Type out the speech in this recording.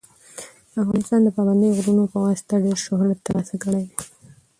افغانستان د پابندي غرونو په واسطه ډېر شهرت ترلاسه کړی دی.